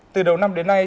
từ đầu năm đến nay